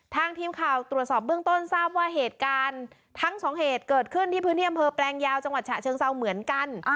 ทางทีมข่าวตรวจสอบเบื้องต้นทราบว่าเหตุการณ์ทั้งสองเหตุเกิดขึ้นที่พื้นที่อำเภอแปลงยาวจังหวัดฉะเชิงเซาเหมือนกัน